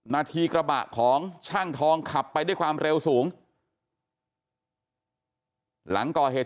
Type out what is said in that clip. นาทีกระบะของช่างทองขับไปด้วยความเร็วสูงหลังก่อเหตุ